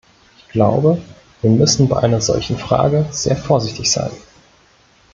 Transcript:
Ich glaube, wir müssen bei einer solchen Frage sehr vorsichtig sein.